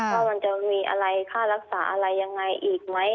ว่ามันจะมีอะไรค่ารักษาอะไรยังไงอีกไหม